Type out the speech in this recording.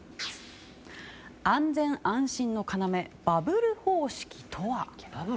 安全・安心の要バブル方式とは？